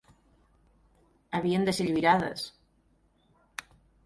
... havien de ser lliurades